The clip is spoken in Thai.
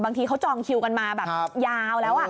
บางทีเขาจองคิวกันมาแบบยาวแล้ว